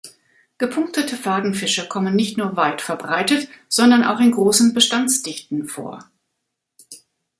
Gepunktete Fadenfische kommen nicht nur weit verbreitet, sondern auch in großen Bestandsdichten vor.